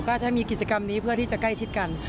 ก็จะมีกิจกรรมนี้เพื่อที่จะใกล้ชิดกัน